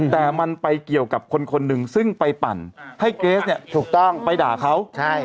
แต่มันไปเกี่ยวกับคนคนหนึ่งซึ่งไปปั่นให้เกรสเนี่ยถูกต้องไปด่าเขา